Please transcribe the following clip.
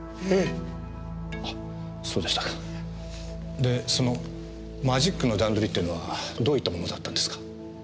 でそのマジックの段取りっていうのはどういったものだったんですか？